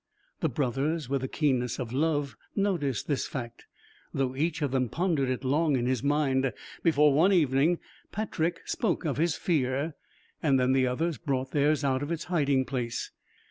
The brothers with the keenness of love noted this fact, though each of them pondered it long in his mind before one evening Patrick spoke of his fear, and then the others brought theirs out of its hiding place.